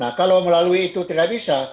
nah kalau melalui itu tidak bisa